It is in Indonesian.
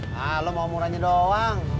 nah lo mau murahnya doang